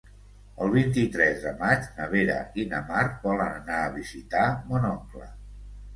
El vint-i-tres de maig na Vera i na Mar volen anar a visitar mon oncle.